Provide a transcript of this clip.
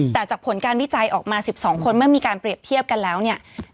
แต่จากผลการวิจัยออกมา๑๒คนเมื่อมีการเปรียบเทียบกันแล้วเนี่ย